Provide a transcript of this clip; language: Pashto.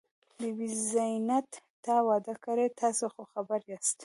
بي بي زينت، تا واده کړی؟ تاسې خو خبر یاست.